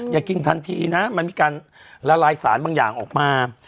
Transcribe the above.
อย่ากินทันทีนะมันมีการละลายสารบางอย่างออกมา